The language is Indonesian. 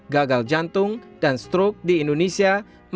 gagal jantung dan stroke di indonesia